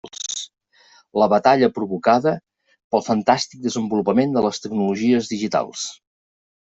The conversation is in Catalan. La batalla provocada pel fantàstic desenvolupament de les tecnologies digitals.